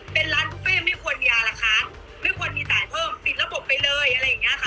เป็นร้านบุฟเฟ่ไม่ควรยาล่ะคะไม่ควรมีจ่ายเพิ่มปิดระบบไปเลยอะไรอย่างเงี้ยค่ะ